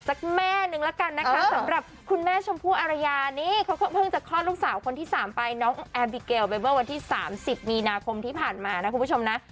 แม่นึงละกันนะคะสำหรับคุณแม่ชมพู่อารยานี่เขาเพิ่งจะคลอดลูกสาวคนที่สามไปน้องแอร์บิเกลไปเมื่อวันที่๓๐มีนาคมที่ผ่านมานะคุณผู้ชมนะ